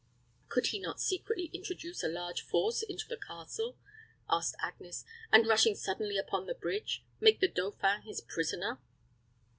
"Could he not secretly introduce a large force into the castle," asked Agnes, "and, rushing suddenly upon the bridge, make the dauphin his prisoner?"